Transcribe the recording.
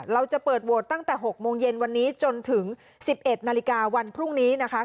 เราจะเปิดโหวตตั้งแต่๖โมงเย็นวันนี้จนถึง๑๑นาฬิกาวันพรุ่งนี้นะคะ